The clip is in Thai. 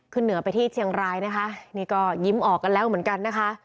เหนือไปที่เชียงรายนะคะนี่ก็ยิ้มออกกันแล้วเหมือนกันนะคะ